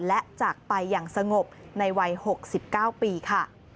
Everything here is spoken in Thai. และจากไปอย่างสงบในวัย๖๙ปีค่ะ